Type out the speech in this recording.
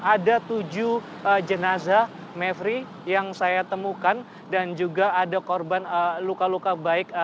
ada tujuh jenazah mevri yang saya temukan dan juga ada korban luka luka baik